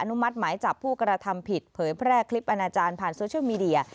มัติหมายจับผู้กระทำผิดเผยแพร่คลิปอนาจารย์ผ่านโซเชียลมีเดีย